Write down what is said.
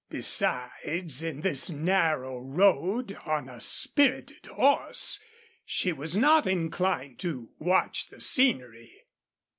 Besides, in this narrow road, on a spirited horse, she was not inclined to watch the scenery.